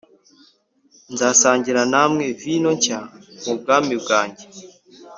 nzasangirira namwe vino nshya mu bwami bwa njye